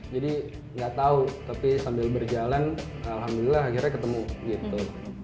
jadi nggak tahu tapi sambil berjalan alhamdulillah akhirnya ketemu gitu